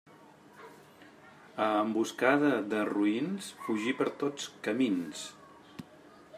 A emboscada de roïns, fugir per tots camins.